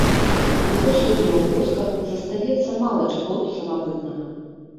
Ужо сёння ў вёсках застаецца мала чаго самабытнага.